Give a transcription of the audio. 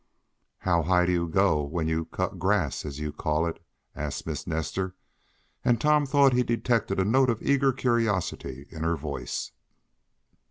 "How high do you go when you 'cut grass,' as you call it?" asked Miss Nestor, and Tom thought he detected a note of eager curiosity in her voice.